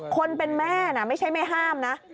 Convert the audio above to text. คนเป็นแม่นะไม่ใช่ไม่ห้ามนะ